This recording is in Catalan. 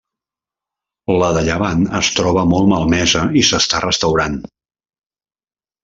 La de llevant es troba molt malmesa i s'està restaurant.